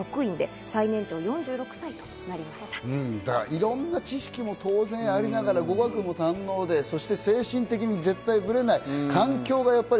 いろんな知識も当然ありながら、語学も堪能で、そして精神的に絶対的にブレない。